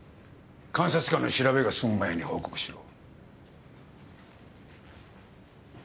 監察官の調べが済む前に報告しろ。